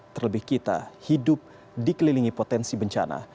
terlebih kita hidup dikelilingi potensi bencana